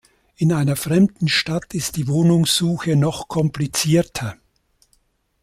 In einer fremden Stadt ist die Wohnungssuche noch komplizierter.